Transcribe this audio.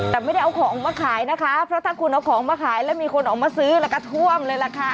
แต่ไม่ได้เอาของมาขายนะคะเพราะถ้าคุณเอาของมาขายแล้วมีคนออกมาซื้อแล้วก็ท่วมเลยล่ะค่ะ